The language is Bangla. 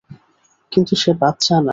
কিন্তু সে বাচ্চা না।